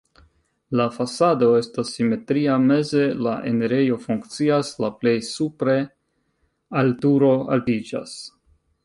La fasado estas simetria, meze la enirejo funkcias, la plej supre al turo altiĝas.